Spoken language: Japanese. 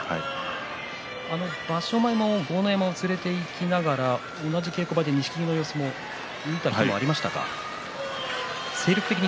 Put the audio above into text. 場所前も豪ノ山を連れていきながら同じ稽古場で錦木の相撲はご覧になりましたか。